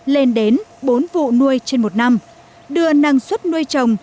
lên đến bốn vụ nuôi trên một năm đưa năng suất nuôi trồng